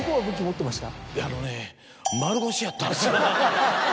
あのね。